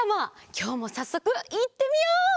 きょうもさっそくいってみよう！